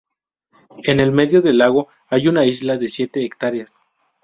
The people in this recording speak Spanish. En el medio del lago hay una isla de siete hectáreas.